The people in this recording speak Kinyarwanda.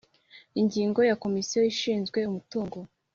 Ingingo ya Komisiyo ishinzwe umutungo